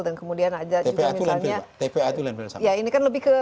tpa itu landfill pak